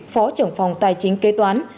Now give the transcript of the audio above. phó trưởng phòng tài chính kê toán